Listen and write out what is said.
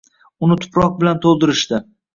Uni tuproq bilan to’ldirishdi.